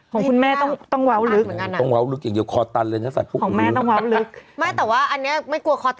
ของคุณแม่ต้องเว้าลึกต้องเว้าลึกอย่างเดียวคอตันเลยนะสัตว์พุก